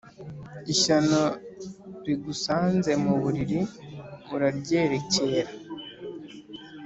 Ishyano rigusanze mu buriri uraryerekera.